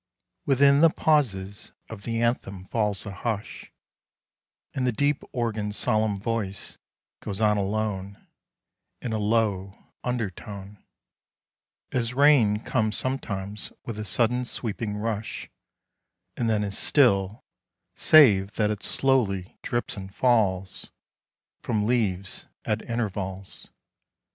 WITHIN the pauses of the anthem falls a hush, And the deep organ's solemn voice goes on alone In a low undertone, As rain comes sometimes with a sudden sweeping rush, And then is still, save that it slowly drips and falls From leaves at intervals.